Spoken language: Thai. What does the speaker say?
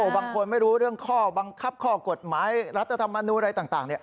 บางคนไม่รู้เรื่องข้อบังคับข้อกฎหมายรัฐธรรมนูลอะไรต่าง